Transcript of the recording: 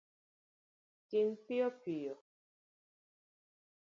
Tim piyo piyo